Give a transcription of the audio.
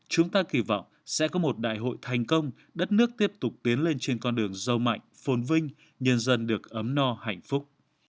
chúng ta kỳ vọng sẽ có một đại hội thành công đất nước tiếp tục tiến lên trên con đường dâu mạnh phồn vinh nhân dân được ấm no hạnh phúc